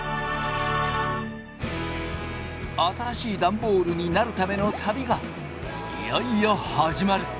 新しいダンボールになるための旅がいよいよ始まる！